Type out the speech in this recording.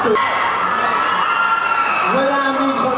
สวัสดีล่ะยา